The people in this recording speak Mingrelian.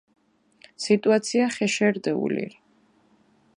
სიტუაცია ხეშე რდჷ ულირი.